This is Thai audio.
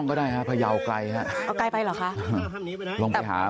ไกลไปหรือคะ